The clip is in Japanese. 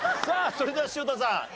さあそれでは潮田さん。